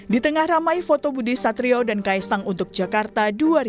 di tengah ramai foto budi satrio dan kaisang untuk jakarta dua ribu dua puluh